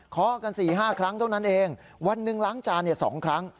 ขอกัน๔๕ครั้งเท่านั้นเองวันหนึ่งล้างจาน๒ครั้ง